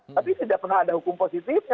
tapi tidak pernah ada hukum positifnya